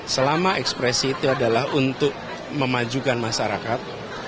selama ekspresi itu adalah untuk memajukan masyarakat